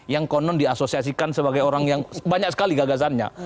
yang konon diasosiasikan sebagai orang yang banyak sekali gagasannya